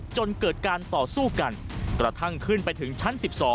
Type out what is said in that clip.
จนเกิดการต่อสู้กันกระทั่งขึ้นไปถึงชั้น๑๒